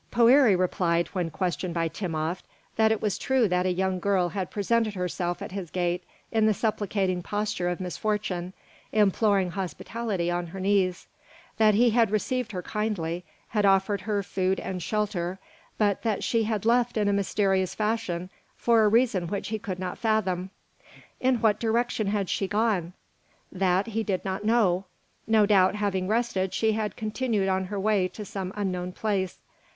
Poëri replied, when questioned by Timopht, that it was true that a young girl had presented herself at his gate in the supplicating posture of misfortune, imploring hospitality on her knees; that he had received her kindly; had offered her food and shelter; but that she had left in a mysterious fashion for a reason which he could not fathom. In what direction had she gone? That he did not know. No doubt, having rested, she had continued on her way to some unknown place.